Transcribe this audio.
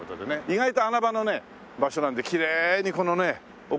意外と穴場のね場所なんできれいにこのね屋上もね